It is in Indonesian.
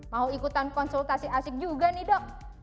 mau ikutan konsultasi asik juga nih dok